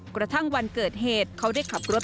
กระทั่งวันเกิดเหตุเขาได้ขับรถ